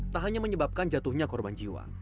tak hanya menyebabkan jatuhnya korban jiwa